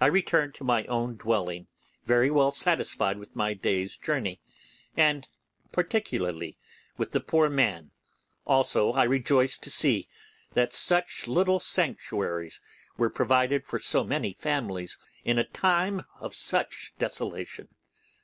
I returned to my own dwelling very well satisfied with my day's journey, and particularly with the poor man; also I rejoiced to see that such little sanctuaries were provided for so many families in a time of such desolation.